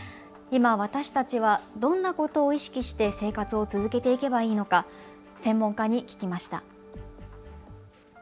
今、私たちはどんなことを意識して生活を続けていけばいいのか専門家に聞きました。